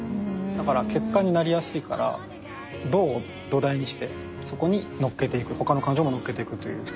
だから結果になりやすいから怒を土台にしてそこに乗っけていくほかの感情も乗っけていくという。